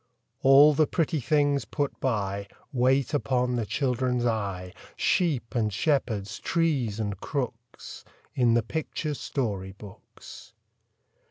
All the pretty things put by, Wait upon the children's eye, Sheep and shepherds, trees and crooks, In the picture story books.